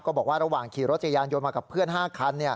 บอกว่าระหว่างขี่รถจักรยานยนต์มากับเพื่อน๕คัน